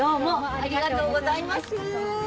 ありがとうございます。